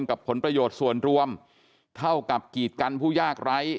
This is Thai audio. ผลประโยชน์ส่วนรวมเท่ากับกีดกันผู้ยากไร้